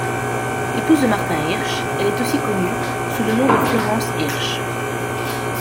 Épouse de Martin Hirsch, elle est aussi connue sous le nom de Florence Hirsch.